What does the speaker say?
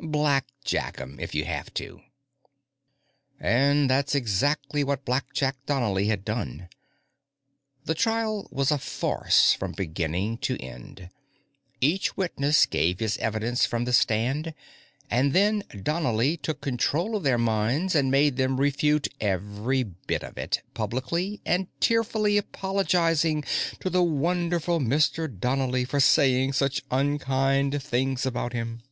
Blackjack 'em, if you have to." And that's exactly what "Blackjack" Donnely had done. The trial was a farce from beginning to end; each witness gave his evidence from the stand, and then Donnely took control of their minds and made them refute every bit of it, publicly and tearfully apologizing to the "wonderful Mr. Donnely" for saying such unkind things about him.